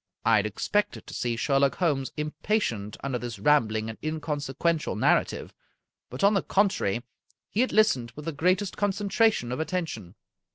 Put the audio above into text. I had expected to see Sherlock Holmes impatient under this rambling and inconsequential, narrative, but, on the con trary, he had listened with the greatest concentration of attention.